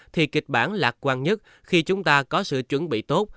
thì kịch bản lạc quan nhất khi chúng ta có sự chuẩn bị tốt